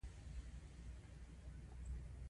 پسه وږمه ده.